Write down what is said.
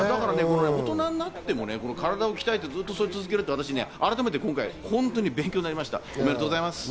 大人になっても、体を鍛えてずっと続けるって改めて今回、本当に勉強になりました、おめでとうございます。